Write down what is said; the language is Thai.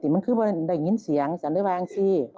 มันคือว่าได้ยิ้นเสียงฉันเลยว่างจิ